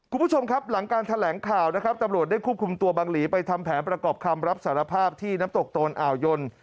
คุณผู้ชมครับหลังการแถลงข่าวนะครับตำรวจได้ควบคุมตัวบังหลีไปทำแผนประกอบคำรับสารภาพที่น้ำตกโตนอ่าวยน